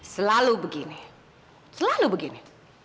selalu begini selalu begini